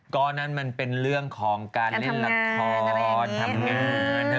ก็นั่นมันเป็นเรื่องของการเล่นละครทำงาน